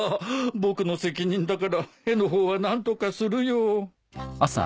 僕の責任だから絵の方は何とかするよ。